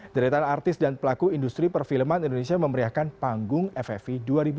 deretan artis dan pelaku industri perfilman indonesia memberiakan panggung ffi dua ribu tujuh belas